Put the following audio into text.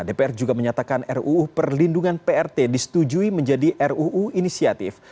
dpr juga menyatakan ruu perlindungan prt disetujui menjadi ruu inisiatif